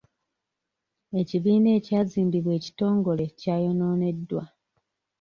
Ekibiina ekyazimbibwa ekitongole kyayonooneddwa.